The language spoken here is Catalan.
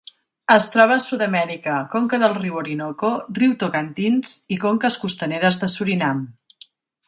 Es troba a Sud-amèrica: conca del riu Orinoco, riu Tocantins i conques costaneres de Surinam.